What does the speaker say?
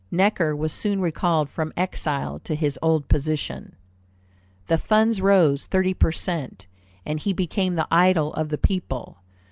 Necker was soon recalled from exile to his old position. The funds rose thirty per cent, and he became the idol of the people.